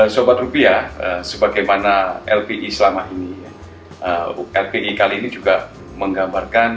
sobat rupiah sebagaimana lpi selama ini lpi kali ini juga menggambarkan